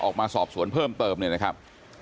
ออกมาสอบสวนเพิ่มเติมเนี่ยนะครับ